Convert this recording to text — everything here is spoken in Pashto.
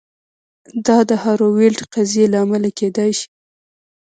دا د هارو ویلډ قضیې له امله کیدای شي